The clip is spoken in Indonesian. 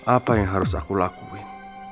apa yang harus aku lakuin